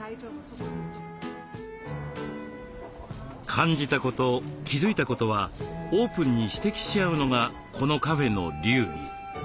感じたこと気付いたことはオープンに指摘し合うのがこのカフェの流儀。